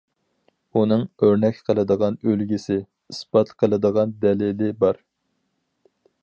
ئۇنىڭ ئۆرنەك قىلىدىغان ئۈلگىسى، ئىسپات قىلىدىغان دەلىلى بار.